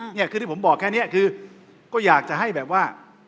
เนี่ยคือที่ผมบอกแค่นี้คือก็อยากจะให้แบบว่า